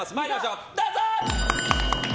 どうぞ！